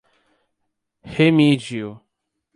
Remígio